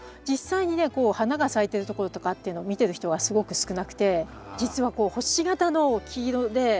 実際にねこう花が咲いてるところとかっていうのを見てる人はすごく少なくてじつはこう星形の黄色で。